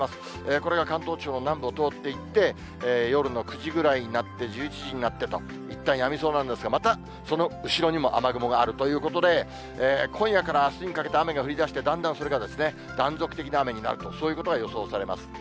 これが関東地方南部を通っていって、夜の９時ぐらいになって、１１時になってと、いったんやみそうなんですが、またその後ろにも雨雲があるということで、今夜からあすにかけて雨が降りだして、だんだんそれがですね、断続的な雨になると、そういうことが予想されます。